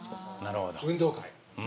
運動会！